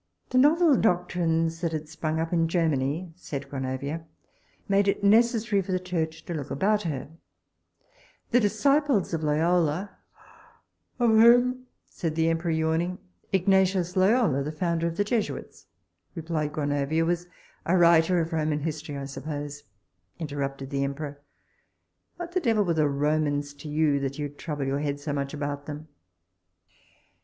The novel doctrines that had sprung up in Germany, said Gronovia, made it necessary for the church to look about her. The disciples of Loyola Of whom? said the emperor, yawning Ignatius Loyola, the founder of the Jesuits, replied Gronovia, was A writer of Roman history, I suppose, interrupted the emperor: what the devil were the Romans to you, that you trouble your head so much about them?